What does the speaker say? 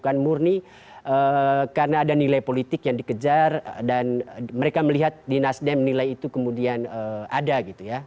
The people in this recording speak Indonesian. bukan murni karena ada nilai politik yang dikejar dan mereka melihat di nasdem nilai itu kemudian ada gitu ya